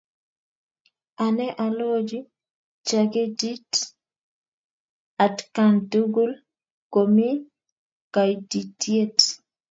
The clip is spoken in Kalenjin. Ane alochi chaketit atkan tukul komi kaitityet.